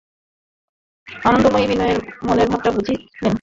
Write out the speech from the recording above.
আনন্দময়ী বিনয়ের মনের ভাবটা বুঝিলেন।